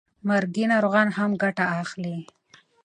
مرګي ناروغان هم ګټه اخلي.